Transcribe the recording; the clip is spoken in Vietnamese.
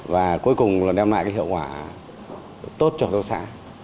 và cuối cùng đem lại hiệu quả tốt cho hợp tác xã